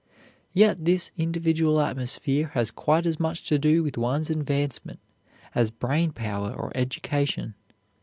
Yet this individual atmosphere has quite as much to do with one's advancement as brain power or education.